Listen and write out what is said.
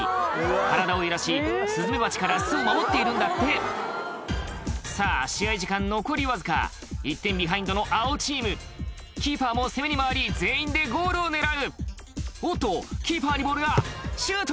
これは巣を覆う大量のさぁ試合時間残りわずか１点ビハインドの青チームキーパーも攻めに回り全員でゴールを狙うおっとキーパーにボールがシュート！